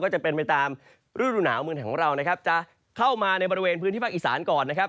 จะเป็นไปตามฤดูหนาวเมืองของเรานะครับจะเข้ามาในบริเวณพื้นที่ภาคอีสานก่อนนะครับ